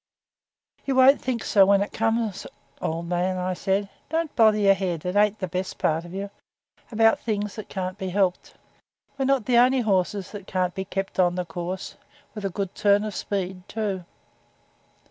'You won't think so when it comes, old man,' I said. 'Don't bother your head it ain't the best part of you about things that can't be helped. We're not the only horses that can't be kept on the course with a good turn of speed too.'